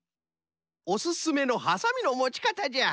おすすめのはさみのもち方じゃ。